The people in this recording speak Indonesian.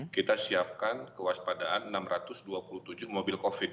kita siapkan kewaspadaan enam ratus dua puluh tujuh mobil covid